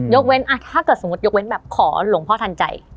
เว้นถ้าเกิดสมมุติยกเว้นแบบขอหลวงพ่อทันใจ